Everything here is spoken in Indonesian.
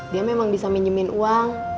dia memang bisa minjemin uang